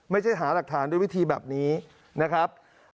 ไม่ใช่หาหลักฐานด้วยวิธีแบบนี้นะครับ